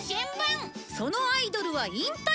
そのアイドルは引退する